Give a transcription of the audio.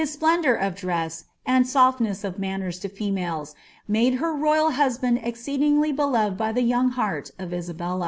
■plenilour of dress, anil soflness of mnnnera to females, made htr n^ bufband exceedingly beloved by ihe young bean of Inbelk.